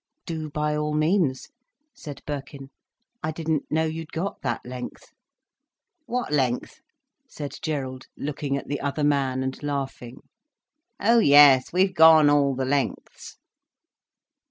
"Do by all means," said Birkin. "I didn't know you'd got that length." "What length?" said Gerald, looking at the other man, and laughing. "Oh yes, we've gone all the lengths."